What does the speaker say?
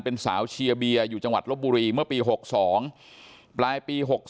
เป็นสาวเชียร์เบียร์อยู่จังหวัดลบบุรีเมื่อปี๖๒ปลายปี๖๒